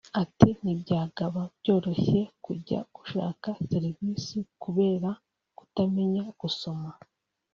Ati “Ntibyabaga byoroshye kujya gushaka serivisi kubera kutamenya gusoma